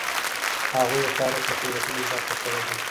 هغوی د تاریخ له تېروتنو زده کړه کړې ده.